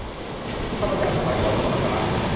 ข้าพเจ้าทั้งหลายขอน้อมสักการะ